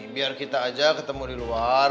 biar kita aja ketemu di luar